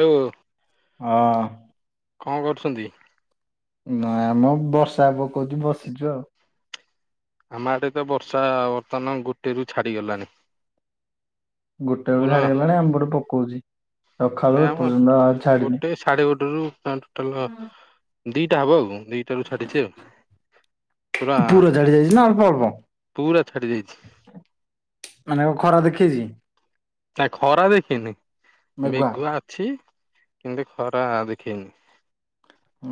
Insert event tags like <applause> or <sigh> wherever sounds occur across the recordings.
Do ଅ କଣ କରୁଛନ୍ତି? ନାଁ ମ ବର୍ଷା ପକଉଛି ବସିଛୁ ଆଉ। ଆମ ଆଡେ ତ ବର୍ଷା ବର୍ତ୍ତମାନ ଗୋଟେ ରୁ ଛାଡିଗଲାଣି। ଗୋଟେ ବେଳୁ ପୁରା ଛାଡିଗଲାଣି ଆମପଟେ ପକଉଛି ସଖାଳୁ ନାଇଁ ଆମ ଏପର୍ଯ୍ୟନ୍ତ ଆଉ ଛାଡିିନି। ଗୋଟେ ସାଢେ ଗୋଟେ ରୁ ଆ ଟୋଟାଲ ଦିଟା ହବ ଆଉ ଦି ଟା ରୁ ଛାଡିଛି ଆଉ ପୁରା ଛାଡି ଯାଇଛି ନା ଅଳ୍ପ ଅଳ୍ପ ପୁରା ଛାଡି ଯାଇଛି। ମାନେ ଆଉ ଖରା ଦେଖେଇଛି? ନା ଖରା ଦେଖେଇନି ମେଘୁଆ ଅଛି କିନ୍ତୁ ଖରା ଦେଖେଇନି।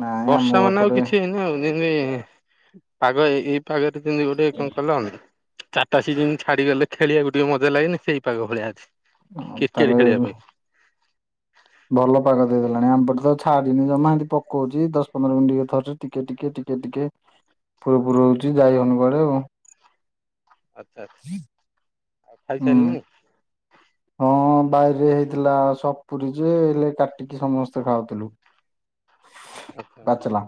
ନାଇଁ ଆମ ବର୍ଷା ମାନେ ଆଉ ଏପଟେ କିଛି ହେଇନି ଆଉ ଯେମିତି ପାଗ ଏ ଏଇ ପାଗରେ ଯେମିତି ଗୋଟେ କଣ କଲନି? ଚାରିଟା ସିମି ଛାଡି ଗଲେ ଖେଳିବାକୁ ଟିକେ ମଜା ଲାଗେନି ସେଇ ପାଗ ଭଳିଆ ଅଛି। ତାହେଲେ କ୍ରିକେଟ ଖେଳିବା ପାଇଁ। ଭଲ ପାଗ ଦେଇଦେଲାଣି ଆମପଟେ ତ ଛାଡିିନି ଜମାହେଁତି ପକଉଛି ଦଶ ପନ୍ଦର ମିନିଟ୍ ରେ ଥରେ ଟିକେ ଟିକେ ଟି ଟିକେ ଟିକେ ଫୁର ଫୁରୁ ହଉଛି ଯାଇହଉନି କୁଆଡେ ଆଉ। ଆଚ୍ଛା ଆଚ୍ଛା ଆଉ, ଖାଇସାରିଲୁଣି? ହଁ ବାଇରେ ହେଇଥିଲା ସପୁୁରୀ ଯେ ହେଲେ କାଟିକି ସମସ୍ତେ ଖାଉଥିଲୁ। ଆଚ୍ଛା ଆଚ୍ଛା ବାଚଲ।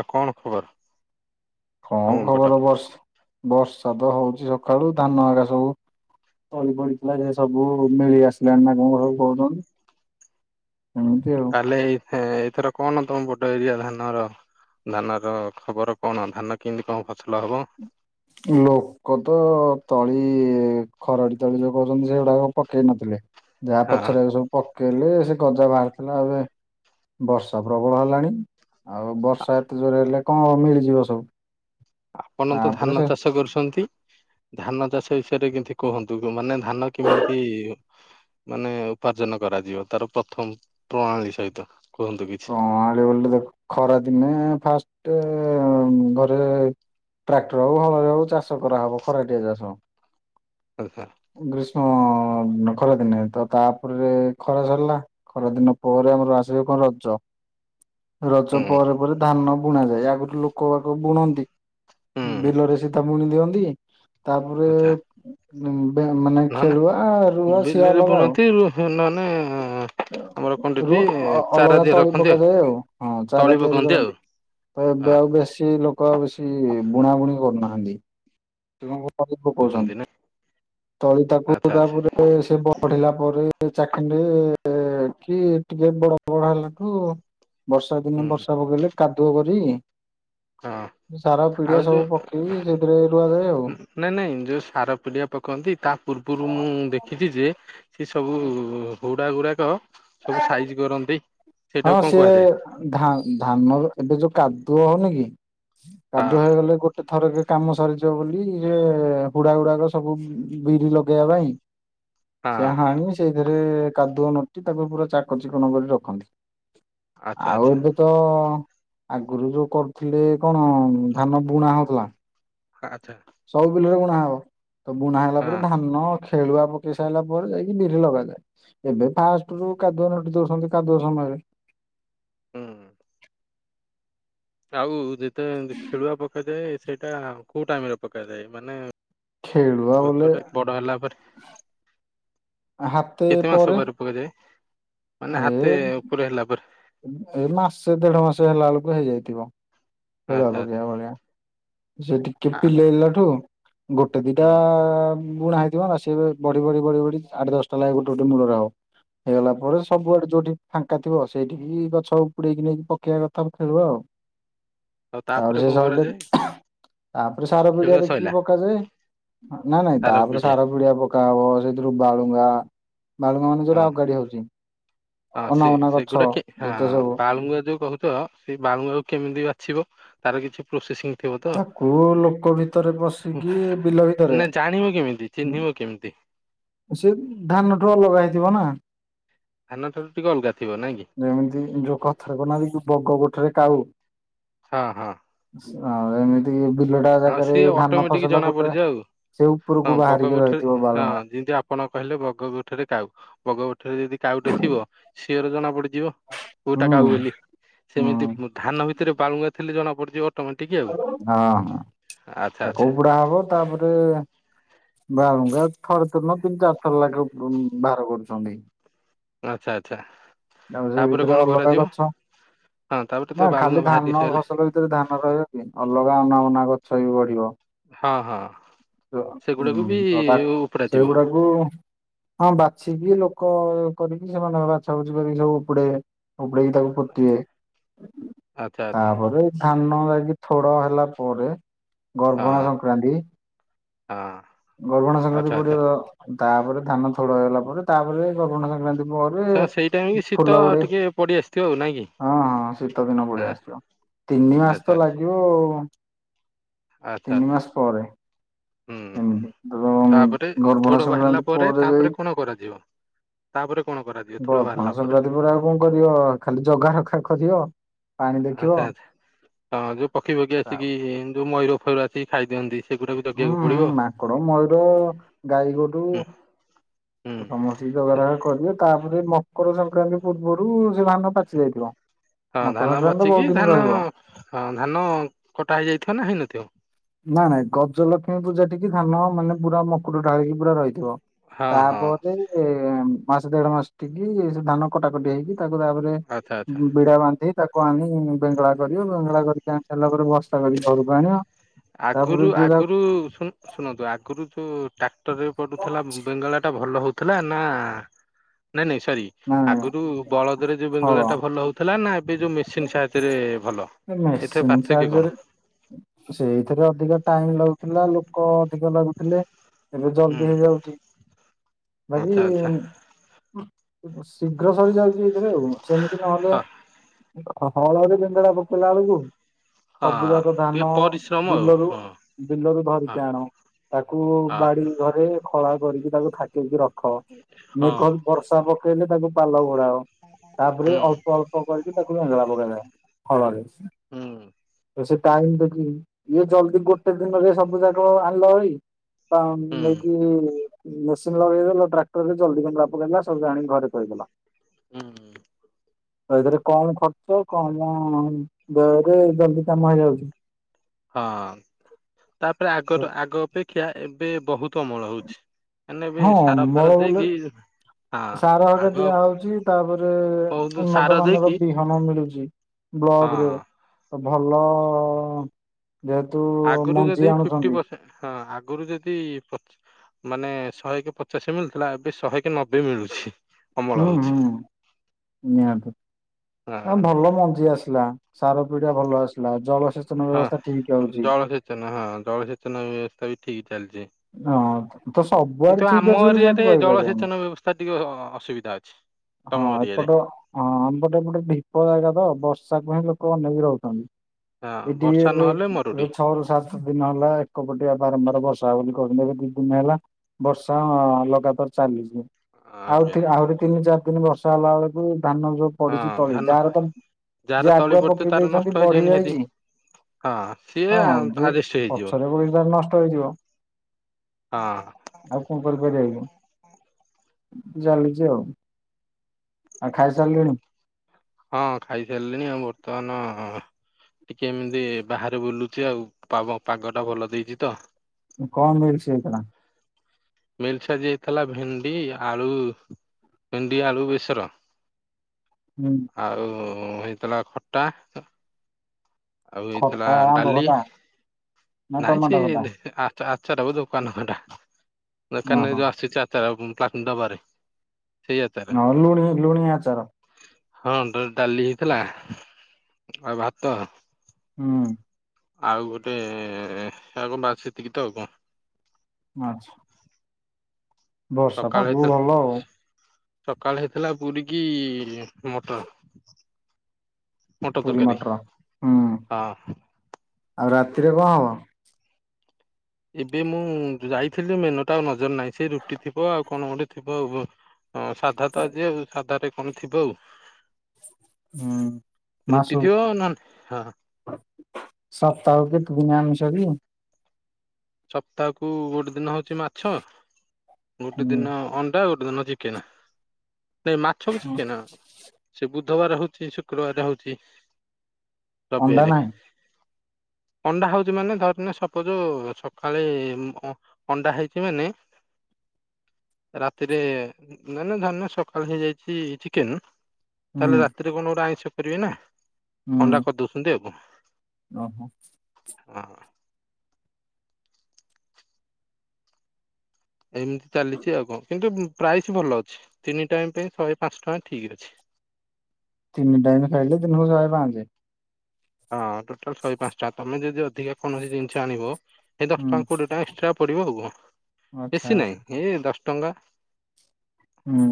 ଆଉ କଣ ଖବର? କଣ ତମ ପଟ? ଖବର ବର୍ଷ ବର୍ଷାତ ହଉଚି ସକାଳୁ ଧାନ ଆଗା ସବୁ ତଳି ପଡିଥିଲା ଯେ ସବୁ ନେଳି ଆସିଲାଣି ନା କଣ ସବୁ କହୁଛନ୍ତି। ଏମିତି ଅଉ। ହେଲେ ଏ ହେ ଏଥର କଣ ତମ ପଟ ଏରିଆ ଧାନର ଧାନର ଖବର କଣ ଧାନ କେମିତି କଣ ଫସଲ ହେବ? ଲୋକ ତ ତଳି ଖରଡ଼ି ତଳି ଯୋଉ କହୁଛନ୍ତି ସେଗୁଡାକ ପକେଇ ନଥିଲେ। ଯାହା ହଁ ପଛରେ ସବୁ ପକେଇଲେ ସେ ଗଜା ବାହାରିଥିଲା ଏବେ ବର୍ଷା ପ୍ରବଳ ହେଲାଣି। ଆଉ ବର୍ଷା ଏତେ ଜୋରେ ହେଲେ କଣ ମିଳିଯିବ ସବୁ। ଆପନ ତ ତାପରେ ଧାନ ସେ ଛ କରୁଛନ୍ତି ଧାନ ଚାଷ ବିଷୟରେ କିଛି କୁହନ୍ତୁ। ମାନେ ଧାନ କେମିତି ମାନେ ଉପାର୍ଜନ କରାଯିବ ତାର ପ୍ରଥମ ପ୍ରଣାଳୀ ସହିତ କୁହନ୍ତୁ କି କ ଆଳିବ ଦେଖ ଖରା ଦିନେ ଫାଷ୍ଟେ ଘରେ ଟ୍ରାକ୍ଟର ହଉ ହଳରେ ହଉ ଚାଷ କରାହବ ଖରାଟିଆ ଚାଷ। ଆଚ୍ଛା। ଗ୍ରୀଷ୍ମ ଖରାଦିନେ ତ ତାପରେ ଖରା ସରିଲା। ଖରାଦିନ ପରେ ଆମର ଆସିବ କଣ ରଜ। ରଜ ହୁଁ ପରେ ପରେ ଧାନ ବୁଣା ଯାଏ। ଆଗରୁ ଲୋକ ବାକ ବୁଣନ୍ତି। ହୁଁ ବିଲରେ ସୀଧାବୁଣି ଦିଅନ୍ତି ତାପରେ ଆଛା ବେ ମାନେ ନହେଲେ ଖେଳୁଆ ରୁଆ ସିଏ ବିଲରେ ଅଲଗା ଆଉ। ବୁଣନ୍ତି ନହେଲେ ଆମର କଣଟି ରୁ ଅ ଚାରା ଅଲଗା ଦିଏ ତଳି ରଖନ୍ତି ପକାଯାଏ ଆଉ। ହଁ ଚାରା ତଳି ତିଆରି ପକାନ୍ତି ଆଉ କରନ୍ତି। ତ ଏବେ ହଁ ଆଉ ବେଶୀ ଲୋ କ ଆଉ ବେଶୀ ବୁଣା ବୁଣି କରୁନାହାଁନ୍ତି ସେ କଣ କରୁଛନ୍ତି କହୁଛନ୍ତି ପଉଛନ୍ତି। ନା ସେ ତାକୁ ଆଚ୍ଛା ଆଚ୍ଛା ତାପରେ ଏ ସେ ବଢିଲା ପରେ ଚାଖେଣ୍ଡେ କି ଟିକେ ବଡ ବଡ ହେଲା ଠୁ ବର୍ଷା ଦିନେ ହୁଁ ବର୍ଷା ପକେଇଲେ କାଦୁଅ କରି ଏ ହଁ ସାର ଆଉ ପିଡିଆ ଯୋଉ ସବୁ ପକେଇକି ସେଥିରେ ରୁଆଯାଏ ଆଉ। ନାଇଁ ନାଇଁ ଯୋଉ ସାର ପିଡିଆ ପକୁଅନ୍ତି ତା ପୂର୍ବରୁ ମୁଁ ଦେଖିଚି ଯେ ସେ ସବୁ ହୁ-ହୁଡା ଗୁରାକ ସବୁ ସାଇଜି କରନ୍ତି। ହଁ ସେଇଟାକୁ କଣ ସିଏ କୁହାଯାଏ ଧା-ଧାନରୁ ଏବେ ଯୋଉ କାଦୁଅ ହୋଉନି କି ହଁ କାଦୁଅ ହେଇଗଲେ ଗୋ ଏକା ଥରକେ କାମ ସରିଯିବ ବୋଲି ହେ ହୁଡା ଗୁଡାକ ସବୁ ବିରି ଲଗେଇବା ପାଇଁ ସେ ହଁ ହାଣି ସେଇଥିରେ କାଦୁଅ ନୋଟି ତାକୁ ପୁରା ଚାକ ଚିକଣ କରି ରଖନ୍ତି। ଆଚ୍ଛା ଆଉ ଆଚ୍ଛା ଏବେ ତ ଆଗରୁ ଯୋଉ କରୁଥିଲେ କଣ ଧାନ ବୁଣା ହୋଉଥିଲା। ଆଚ୍ଛା। ସବୁ ବିଲରେ ବୁଣା ହବ ତ ବୁଣା ହେଲା ହଁ ପରେ ଧାନ ଖେଳୁଆ ପକେଇ ସାରିଲା ପରେ ଯାଇକି ବିରି ଲଗାଯାଏ। ଏବେ ଫାଷ୍ଟରୁ କାଦୁଆ ନୋଟି ଦୋଉଚନ୍ତି କାଦୁଆ ସମୟରେ। ହୁଁ ହୁଁ। ଆଉ ଯେତେ ଖେଳୁଆ ପକାଯାଏ ସେଇଟା କୋଉ ଟାଇମରେ ପକାଯାଏ ମାନେ ଖେଳୁଆ ବୋଲେ ଗଛଟା ବଡ ହେଲାପରେ କେତେ ମାସ ପରେ ପକାଯାଏ? ମାନେ ଏ ହାତେ ଉପରେ ହେଲା ପରେ ଏ ମାସେ ଦେଢ ମାସ ହେଲା ବେଳକୁ ହେଇଯାଇଥିବ। ଖେଳୁଆ ଆଚ୍ଛା ଆଚ୍ଛା। ପକେଇବା ଭଳିଆ। ସେ ଟିକେ ଆ ପିଲେଇଲାଠୁ ଗୋଟେ ଦିଇଟା ହୁଁ ବୁଣା ହେଇଥିବ ନା ସିଏବି ବଢି ବଢି ବଢି ବଢି ଆଠ ଦଶଟା ଲାଗେ ଗୋଟେ ଗୋଟେ ମୂଳରେ ହବ। ହେଇଗଲା ପରେ ସବୁଆଡେ ଯୋଉଠି ଫାଙ୍କା ଥିବ ସେଇଠିକି ଗଛ ଉପୁଡେଇକି ନେଇକି ପକେଇବା କଥା ଖେଳୁଆ। ଆଉ ତାପରେ କଣ ସେ ସଇଲେ କରାଯାଏ <unintelligible> ତାପରେ ସାର ଖେଳ ପିଡିଆ ଦେଖିକି ସଇଲା ପକେଇଦେବେ ନାଇଁ ନାଇଁ ତାପରେ ସାର ପିଡିଆ ପ ତାପରେ ସେଥିରୁ ବାଳୁଙ୍ଗା ବାଳୁଙ୍ଗା ମାନେ ହଁ। ଯୋଉରା ଅଗାଡି ହୋଉଚି। ହଁ ସେ ସେଗୁଡା କି ହଁ ସବୁ ବାଳୁଙ୍ଗା ଯୋଉ କୋହୁ ଚ ସେଇ ବାଳୁଙ୍ଗାକୁ କେମିତି ବାଛିବ ତାର କିଛି ପ୍ରୋସେସିଂ ଥିବ ତ ତାକୁ ଲୋକ ଭିତରେ ପଶିକି ବିଲ ଭିତରେ ନା ଜାଣିବ କେମିତି ଚିହ୍ନିବ କେମିତି? ସେ ଧାନଠୁ ଅଲଗା ହେଇଥିବ ନା। ଧାନଠାରୁ ଟିକେ ଅଲଗାଥିବ ନାଁ କି? ଯେମିତି ଯୋଉ କଥାରେ କୋହୁ ନାହାତି କି ବଗ ଗୋଠରେ କାଉ। ହଁ ହଁ। ଆଉ ଏମିତି କି ବିଲଟା ହଁ ଜାଗାରେ ସିଏ ଧାନ ଅଟୋମେଟିକ ଫସଲ ଜଣା ଗୋଟେ ପଡିଯିବ ଆଉ। ସେ ହଁ ଉପରକୁ ବଗ ବାହାରିକି ଗୋଠରେ ରହିଥିବ ହଁ ବାଳୁଙ୍ଗା। ଯେମିତି ଆପଣ କହିଲେ ବଗ ଗୋଠରେ କାଉ। ବଗ ଗୋଠରେ ଯଦି କାଉଟେ ଥିବ। ସିଓର ଜଣାପଡିଯିବ। ହୁଁ କୋଉଟା କାଉ ବୋଲି ହୁଁ ସେମିତି ହଁ ଧାନ ଭିତରେ ବାଳୁଙ୍ଗା ଥିଲେ ଜଣା ପଡିଯିବ ଅଟୋମେଟିକ ଆଉ। ହଁ ହଁ ଆଚ୍ଛା ତାକୁ ଆଚ୍ଛା। ଉପୁଡା ହବ ତାପରେ ବାଳୁଙ୍ଗା ଥରେ ଥର ନୁହୁଁ ତିନି ଚାରି ଥର ଲାଗେ ଉପୁଡୋଉ ବାହାର କରୁଚନ୍ତି। ଆଚ୍ଛା ଆଚ୍ଛା ତାପରେ ସେ ଭିତରେ କଣ ଅଲଗା କରାଯିବ ଗଛ। ହଁ ତାପରେ ତ ନା ବାଳୁଙ୍ଗା ଖାଲି ବାହାରି ଧାନ ସାରିଲା ଫସଲ ଭି ତରେ ଧାନ ରହିବ କି ଅଲଗା ଅନାବନା ଗଛ ବି ବଢିବ। ହଁ ହଁ। ତ ସେଗୁଡାକୁ ବି ଉଁ ତ ତା ଉପଡା ଯିବ ସେଇଗୁଡାକୁ ହଁ ବାଛିକି ଲୋକ କରିକି ସେମାନେ ତାଙ୍କର ବାଛା ବୁଛି କରିକି ସବୁ ଉପୁଡେଇବେ ଉପୁଡେଇକି ତାକୁ ପୋତିବେ ଆଚ୍ଛା ଆଚ୍ଛା ତାପରେ ଧାନ ଲାଗି ଥୋଡ ହେଲା ପରେ। ହଁ ଗର୍ଭଣା ସଂକ୍ରାନ୍ତି ହଁ ଗର୍ଭଣା ସଂକ୍ରାନ୍ତି ଆଚ୍ଛା ଆଚ୍ଛା। ପଡିବ। ତାପରେ ଧାନ ଥୋଡ ହେଲା ପରେ ତାପରେ ଗର୍ଭାଣା ସଂକ୍ରାନ୍ତି ପରେ ସାର୍ ସେଇ ଟାଇମ୍ କି ଫୁଲ ଶୀତ ଗୁଡେ ଟିକେ ପଡି ଆସିଥିବ ଆଉ ନାଇଁ କି। ହଁ ହଁ ଶୀତ ଦିନ ପଳେଇ ହଁ ଆସିଥିବ ତିନି ମାସ ଆଚ୍ଛା ତ ଆଚ୍ଛା। ଲାଗିବ। ବ ଆଚ୍ଛା ତିନି ଆଚ୍ଛା ମାସ ପରେ। ହୁଁ ଏମିତି ତ ତାପରେ ଥୋଡ ଗର୍ଭଣା ବାହାରିଲା ସଂକ୍ରାନ୍ତି ପରେ ତାପରେ ଯାଇ କଣ କରାଯିବ। ତାପରେ କଣ କରାଯିବ? ଥୋଡ ଗର୍ଭଣା ବାହାରିଲା ସଂକ୍ରାନ୍ତି ପରେ ଆଉ କଣ କରିବ ଖାଲି ଜଗା ରଖା କରିବ। ପାଣି ଦେଖିବ। ଆଚ୍ଛା ଆଚ୍ଛା। ହଁ ଯୋଉ ପକ୍ଷୀ ପକ୍ଷୀ ଆସିକି ତାପରେ ଯୋଉ ମୟୂର ଫୟୂର ଆସିକି ଖାଇ ଦିଅନ୍ତି। ହୁଁଁ ହୁଁ ମାଙ୍କଡ଼ ମୟୂର ଗାଈ ଗୋରୁ ହୁଁ ହୁଁ ସମସ୍ତ ଯୋଗାଯୋଗ କରିବେ ତାପରେ ମକର ସଂକ୍ରାନ୍ତି ପୂର୍ବରୁ ସେ ଧାନ ପାଚି ଯାଇଥିବ। ହଁ ଧାନ ମକର ସଂକ୍ରାନ୍ତି ତ ବାଛିକି ବହୁତ ଦିନ ଧାନ ରହିବ। ହଁ ଧାନ କଟା ହେଇଯାଇଥିବ ନା ହେଇନଥିବ? ନାଇଁ ନାଇଁ ଗଜଲକ୍ଷ୍ମୀ ପୂଜା ଠିକି ଧାନ ମାନେ ପୁରା ମକୁର ଢାଳିକି ପୁରା ରହିଥିବ। ହଁ ହଁ ତାପରେ ଉଁ ମାସ ଦେଢ ମାସ ଠିକି ସେ ଧାନ କଟାକଟି ହେଇକି ତାକୁ ତାପରେ ଆଚ୍ଛା ଆଚ୍ଛା। ବିଡା ବାନ୍ଧି ତାକୁ ଆଣି ବେଙ୍ଗଳା କରିବ ବେଙ୍ଗଳା କରିକି ଆଣି ସାରିଲା ପରେ ବସ ତା କତିକି ଘରକୁ ଆଣିବ। ତାପରେ ଆଗରୁ ଯିଏ ଯାହା ଆଗରୁ ଶୁଣ ଶୁଣନ୍ତୁ ଆଗରୁ ଯୋଉ ଟା ଟରରେ ପଡଡୁଥିଲା ବେଙ୍ଗଳାଟା ଭଲ ହେଉଥିଲା ନା ନାଇଁ ନାଇଁ ସରି। ନାଇଁ ଆଗରୁ ବଳଦରେ ଯୋଉ ହଳ ବେଙ୍ଗଳା ଟା ଭଲ ହଉ ଥିଲା ନା ଏବେ ଯୋଉ ମେସିନ୍ ସାହାଥିରେ ଭଲ ଏ ଏଥିରେ ମେସିନ୍ ପାର୍ଥକ୍ୟ ସାହାଯ୍ୟରେ କଣ? ସେଇଥିରେ ଅଧିକ ଟାଇମ ଲାଗୁଛି। ଥିଲା ଲୋକ ଅଧିକ ଲାଗୁଥିଲେ ଏବେ ହୁଁ ଜଲଦି ହେଇଯାଉଛି। ବାକି ଆଚ୍ଛା ଆଚ୍ଛା ଶୀଘ୍ର ସରି ଯାଉଛି ଏଥିରେ ସେମିତି ନହେଲେ ହଁ ହଳରେ ବେଙ୍ଗେଳା ପକେଇଲା ବେଳକୁ ହଁ ସବୁ ଯାକ ଟିକେ ଧାନ ପରିଶ୍ରମ ଆଉ ବିଲରୁ ହଁ। ବିଲରୁ ହଁ ଧରିକି ଆଣ ତାକୁ ହଁ ବାଡି ଘରେ ଖଳା କରିକି ତାକୁ ଥାକେଇିକି ରଖ ହଁ ମେଘ ବର୍ଷା ପ କେବେ ତାକୁ ପାଲ ଘୋଡ଼ାଅ। ହେଲେ ହୁଁ ଅଳ୍ପ ଅଳ୍ପ କରିକି ତାକୁ ବେଂଗେଳା କରାଯାଏ ଖଳାରେ ହୁଁ ତ ସେ ଟାଇମ ଦେଖ ଇଏ ଜଲଦି ଗୋଟେ ଦିନରେ ସବୁ ଜାଗ ଆଣିଲା। <inaudible> <inaudible> ହୁଁ ନେଇକି ମେସିନ୍ ଲଗେଇଦେଲ ଟ୍ରାକ୍ଟର ରେ ଜଲଦି ବେଙ୍ଗେଳା ପକେଇଲା ସବୁ ଆଣିକି ଘରେ ଥୋଇଦେଲା। ହୁଁ ହୁଁ। ଏଥିରେ କମ ଖର୍ଚ୍ଚ କମ ଦେହରେ ଜଲଦି କାମ ହେଇଯାଉଛି। ହଁ ତାପରେ ଆଗ ଆଗ ଅପେକ୍ଷା ଏବେ ବହୁତ ଅମଳ ହଉଛି। ନେବେ ହଁ ସାର ଅମଳ ଫାର ବୋଲେ ଦେଇକି ହଁ ସାର ହେରିକା ଆଗ ଦିଆହୋଉଛି ତାପରେ ବହୁତ ସାର ଉନ୍ନତ ମାନର ଦେଇକି ବିହନ ମିଳୁଛି। ବ୍ଲଗ ରେ ହଁ ଭଲ ଯେହେତୁ ଆଗରୁ ଯଦି ମଞ୍ଜି ଫିଫ୍ଟି ଆଣୁଛନ୍ତି ପରସେଣ୍ଟ ହଁ ଆଗରୁ ଯଦି ମାନେ ଶହେ କେ ପଚାଶ ମିଳୁଥିଲା ଏବେ ଶହେ କେ ନବେ ମିଳୁଛି। ଅମଳ ହୁଁ ହଉଛି। ହୁଁ ନିହାତି। ଆ ହଁ ଭଲ ମଞ୍ଜି ଆସିଲା ସାର ପିଡିଆ ଭଲ ଆସିଲା ଜଳସେଚନ ବ୍ୟବସ୍ଥା ଠିକ ହଉଛି। ସେଚନ ହଁ ଜଳସେଚନ ବ୍ୟବସ୍ଥା ବି ଠିକ୍ ଚାଲିଛି। ହଁ ତ ସବୁଆଡେ କିନ୍ତୁ ଠିକ ଆମ ଅଛି ବୋଲି ଏରିଆରେ ସେମିତି କହିପାରିବାନି। ଜଳସେଚନ ବ୍ୟବସ୍ଥା ଟିକେ ଅ ଅସୁବିଧା ଅଛି। ହଁ ତମ ଏରିଆରେ ଏପଟ ହଁ ଆମପଟେ ଏପଟେ ଭୀପ ଜାଗା ତ ବର୍ଷାକୁ ହ ଲୋକ ଅନେଇକି ରହୁଛନ୍ତି। ହଁ ଏଠିକି ବର୍ଷା ଏବେ, ନହେଲେ ମରୁଡି। ଏବେ ଛଅ ରୁ ସାତ ଦିନ ହେଲା, ଏକପଟିଆ ବାରମ୍ବାର ବସ୍ ଯାଉନି କର୍ମ କୁ ଦି ଦିନି ହେଲା, ବର୍ଷା-ଆଁ ଲଗାତାର ଚାଲିଛି। ଆଜ୍ଞା ଆଉଥି, ଆହୁରି ତିନି ଚାରି ଦିନ ବର୍ଷା ହେଲା ଅଳକୁ ଧାନ ଯୋଉ ହଁ ପଡିଛି ତଳି, ଧାନ ଯାହାର ତ ଯାହାର ଯିଏ ତଳି ଆଗୁଆ ପଡିଥିବ ପକେଇ ତାର ନଷ୍ଟ ଦେଇଛନ୍ତି, ହେଇଯିବ ବଢି ନିହାତି। ଯାଇଛି। ହଁ ସିଏ ହଁ, ଯେ ଆଜେଷ୍ଟ ହେଇଯିବ ପଛରେ <unintelligible> ଟା ନଷ୍ଟ ହେଇଯିବ। ହଁ। ଆଉ କଣ କରିପାରିବା କି? ଚାଲିଚି ଆଉ। ଆଉ ଖାଇସାରିଲେଣି? ହଁ, ଖାଇସାରିଲିଣି। ଆଉ ବର୍ତ୍ତମାନ-ଅ ଟିକେ ଏମିତି ବାହାରେ ବୁଲୁଚି ଆଉ, ପାଗଟା ଭଲ ଦେଇଛି ତ? କଣ ମିଲସ୍ ହେଇଥିଲା? ମିଲସ୍ ଆଜି ହେଇଥିଲା ଭେଣ୍ଡି ଆଳୁ, ଭେଣ୍ଡି ଆଳୁ ବେସର। ହୁଁ। ଆଉ-ଉଁ ହେଇଥିଲା ଖଟା। ଆଉ ହେଇଥିଲା ଖଟା ଆମ୍ବ ଡାଲି, ଖଟା ନା ନାଇଁ ଟମାଟୋ ଖଟା ସିଏ, ଆଃ ଆଚାରକୁ ଦୋକାନ ଫାଣ୍ଟା, ଓହୋ ଦୋକାନରେ ଯୋଉ ଆସିଛି, ଆଚାର ପାନ୍ ଡବାରେ। ସେଇ ଆଚାର ହଁ, ଲୁଣି, ଲୁଣି ଆଚାର। ହଁ, ଡ-ଡାଲି ହେଇଥିଲା, ଆଉ ଭାତ। ହୁଁ। ଆଉ ଗୋଟେ-ଏ, ଆଉ କଣ? ବାସ୍ ସେତିକି ତ ଆଉ କଁ? ଆଁଛ୍। ସକାଳୁ ପାଗକୁ ଭଲ ଆଉ ହେଇଥିଲା, ସକାଳ ହେଇଥିଲା ପୁରୀ କିି-ଇ ମଟର। ମଟର ପୁରୀ ତରକାରୀ ମଟର। ହୁଁ, ହଁ। ଆଉ ରାତିରେ କଁ ହବ? ଏବେ ମୁଁ ଯାଇଥିଲି ମେନୁ ଟା, ଆଉ ନଜର ନାହିଁ। ସେ ରୁଟି ଥିବ ଆଉ, କଣ ଗୋଟେ ଥିବ ଆଉ ବ? ହଁ, ସାଧା ତ ଆଜି ଆଉ। ସାଧ ରେ କଣ ଥିବ ଆଉ? ଉୁଁ ରୁଟି ମାସୁ। ଥିବ ନହେଲେ ହଁ ସପ୍ତାହକୁ କେତେ ଦିନ ଆମିଷ କି? ସପ୍ତାହକୁ ଗୋଟେ ଦିନ ହଉଛି ମାଛ, ଗୋଟେ ହୁଁ ଦିନ ଅଣ୍ଡା, ଗୋଟେ ଦିନ ଜି କେନା ନାଇ, ମାଛ କୁ ଚିକେନ। ସେ ବୁଧବାର ହଉଛି, ଶୁକ୍ରବାର ହଉଛି, ଅଣ୍ଡା ରବିଆରେ ନାହିଁ ଅଣ୍ଡା ହଉଛି, ମାନେ ଧରି ନିଅ ସପୋଜୋ ଛ କାଳେ-ଏ ଅଣ୍ଡା ହେଇଛି, ମାନେ ରାତିରେ ନା ନା ଧରିନିଅ, ସକାଳ ହେଇଯାଇଛି ଚିକେନ୍ ତା, ହେଲେ ହୁଁ ରାତିରେ କଣ ଗୋଟେ ଆଇଁଷ କରିବେ ନା? ଅଣ୍ଡା ହୁଁ କରିଦଉଛନ୍ତି ଆଉ କଁ! ଓହୋ। ହଁ। ଏମିତି ଚାଲିଛି ଆଉ କଣ? କିନ୍ତୁ ପ୍ରାଇସ୍ ଭଲ ଅଛି, ତିନି ଟାଇମ୍ ପାଇଁ ଶହେ ପାଞ୍ଚ ଟଙ୍କା ଠିକ୍ ଅଛି। ତିନି ଟାଇମ୍ ଖାଇଲେ, ଦିନକୁ ଶହେ ପାଞ୍ଚେ? ହଁ, ଟୋଟାଲ୍ ଶହେ ପାଞ୍ଚଟା। ତମେ ଯଦି ଅଧିକା କୌଣସି ଜିନିଷ ଆଣିବ ଏ ଦଶ ହୁଁ ଟଙ୍କା କୋଡ଼ିଏ ଟଙ୍କା ଏକ୍ସଟ୍ରା ପଡ଼ିବ ଆଉ କଣ? ଆଚ୍ଛା ବେଶୀ ଆଚ୍ଛା ନାହିଁ, ହେ ଦଶ୍ ଟଙ୍ଗା ହୁଁ।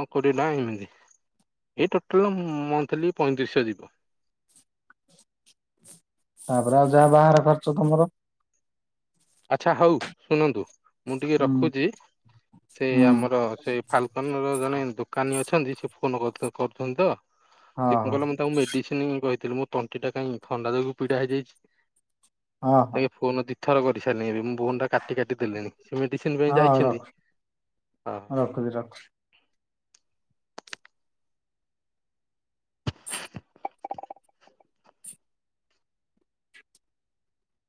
କୋଡ଼ିଏ ଟଙ୍କା ଏମିତି, ଏଇ ଟୋଟାଲ୍ ମନ୍ଥଲି ପଇଁତିରିଶ ଶହ ଯିବ। ତା'ପରେ ଆଉ ଯାହା, ବାହାର ଖର୍ଚ୍ଚ ତମର। ଆଚ୍ଛା ହୋଉ ଶୁଣନ୍ତୁ ମୁଁ ଟିକେ ହୁଁ ରଖୁଚି ସେ ହୁଁ। ଆମର ସେ ଫାଲ ଆମର ଜଣେ ଦୋକାନୀ ଅଛନ୍ତି ସେ ଫୋନ କଥା କୋହୁଚନ୍ତି ତ ହଁ ସେ କଣ କହିଲ ମୁ ତାଙ୍କୁ ମେ ଡିସିନ କହିଥିଲି ମୋ ତଣ୍ଟିଟା କାଇଁ ଥଣ୍ଡା ଯୋଗୁ ପିଡା ହେଇଯାଇଛି ହଁ ହଁ ହଁ ତାଙ୍କେ ଫୋନ ଦେ ଥର କରିସାରଲିଣି ବି ମୁଁ ଫୋନଟା କାଟି କାଟି ଦେଲିଣି ସେ ମେଡ଼ିସିନ ପାଇଁ ହଁ ହଉ ରଖ ଯାଇଛନ୍ତି ହଁ। ରଖୁଛି ରଖ।